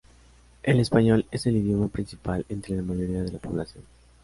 El español es el idioma principal entre la mayoría de la población.